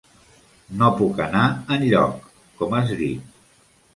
No puc anar enlloc, com has dit.